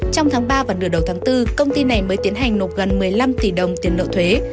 trong tháng ba và nửa đầu tháng bốn công ty này mới tiến hành nộp gần một mươi năm tỷ đồng tiền nợ thuế